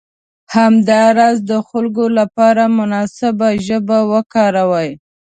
همداراز د خلکو لپاره مناسبه ژبه وکاروئ.